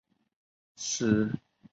使用莫斯科时间。